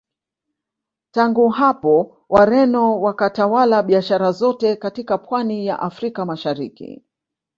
Tangu hapo Wareno wakatawala biashara zote katika Pwani ya Afrika Mashariki